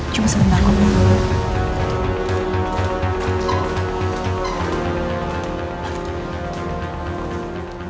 cuma sebentar aku mau